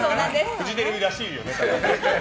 フジテレビらしいよね。